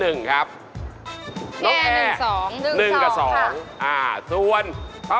เมอร์๑ครับน้องแอร์๑กับ๒เมอร์๑ครับ